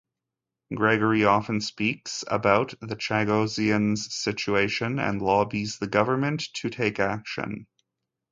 Gregory often speaks about the Chagossians' situation and lobbies the government to take action.